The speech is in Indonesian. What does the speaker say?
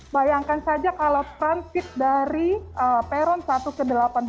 bayangkan saja kalau transit dari peron satu ke delapan belas